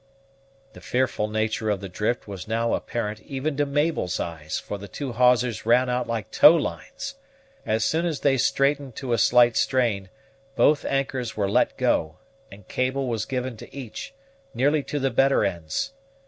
The fearful nature of the drift was now apparent even to Mabel's eyes, for the two hawsers ran out like tow lines. As soon as they straightened to a slight strain, both anchors were let go, and cable was given to each, nearly to the better ends.